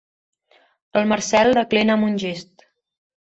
El Marcel declina amb un gest.